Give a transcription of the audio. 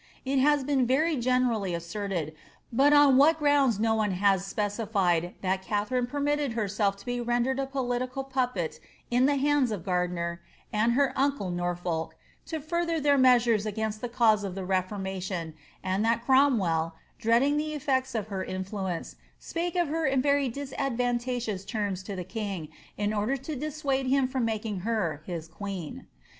It has been very gene rally asserted, but on what grounds no one has specified, that Katharine permitted herself to be rendered a political puppet in the hands of Gar diner and her uncle Norfolk to further their measures against the cause of the Reformation, and that Cromwell, dreading the eflects of her influence, spake of her in very disadvantageous terms to the king, in order to dissuade him from making her his queen.